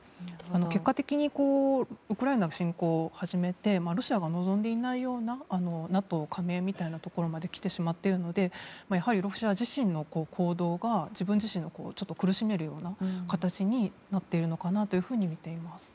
結果的に、ウクライナに侵攻を始めてロシアが望んでいないようなＮＡＴＯ加盟みたいなところまで来てしまっているのでやはりロシア自身の行動が自分自身の行動が苦しめる形になっているのかなと見ています。